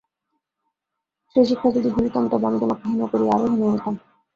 সে শিক্ষা যদি ভুলিতাম, তবে আমি তোমাকে হীন করিয়া আরো হীন হইতাম।